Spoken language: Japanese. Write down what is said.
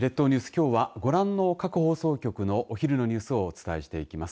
きょうはご覧の各放送局のお昼のニュースをお伝えしていきます。